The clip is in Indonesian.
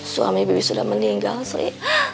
suami bibi sudah meninggal sri